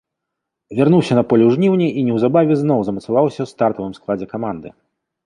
Вярнуўся на поле ў жніўні і неўзабаве зноў замацаваўся ў стартавым складзе каманды.